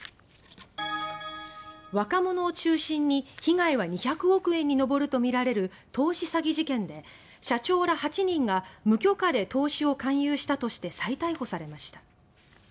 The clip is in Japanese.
若者を中心に、被害は２００億円に上るとみられる投資詐欺事件で、社長ら８人が無許可で投資を勧誘したとして再逮捕されました。